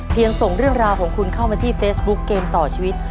ส่งเรื่องราวของคุณเข้ามาที่เฟซบุ๊คเกมต่อชีวิต